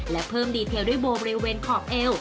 และเพิ่มดีเทลด้วยโบบริเวณขอบเอว